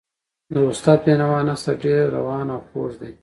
د استاد د بینوا نثر ډېر روان او خوږ دی.